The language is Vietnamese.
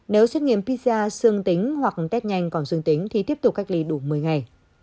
nếu xét nghiệm pcr xương tính hoặc test nhanh còn xương tính thì tiếp tục cách ly đủ một mươi ngày